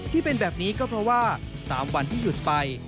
ที่เป็นแบบนี้ก็เพราะว่า๓วันที่หยุดไป